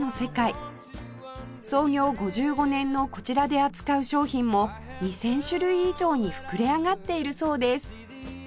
創業５５年のこちらで扱う商品も２０００種類以上に膨れ上がっているそうです